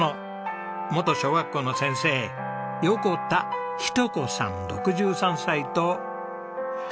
元小学校の先生横田日登子さん６３歳と。